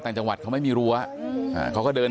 ผู้ชมครับท่าน